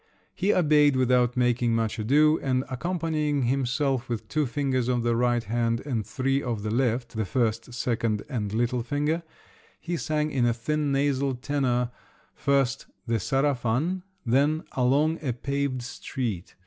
He obeyed without making much ado and accompanying himself with two fingers of the right hand and three of the left (the first, second, and little finger) he sang in a thin nasal tenor, first "The Sarafan," then "Along a Paved Street."